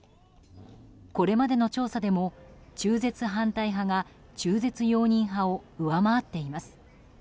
これまでの調査でも中絶反対派が中絶容認派を上回っています。